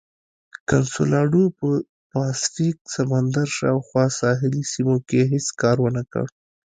کنسولاډو په پاسفیک سمندر شاوخوا ساحلي سیمو کې هېڅ کار ونه کړ.